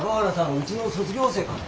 うちの卒業生かね。